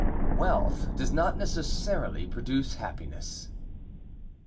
Wealth does not necessarily produce Happiness.